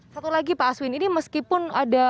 satu lagi pak aswin ini meskipun ada